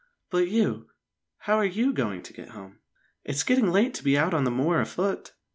"But you how are you going to get home? It's getting late to be out on the moor afoot."